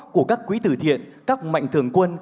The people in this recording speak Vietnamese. của các quý tử thiện các mạnh thường quân